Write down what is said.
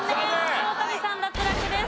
黒谷さん脱落です。